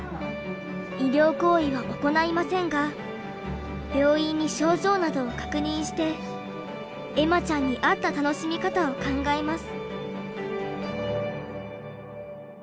医療行為は行いませんが病院に症状などを確認して恵麻ちゃんに合った楽しみ方を考えます。